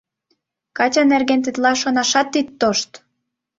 — Катя нерген тетла шонашат ит тошт!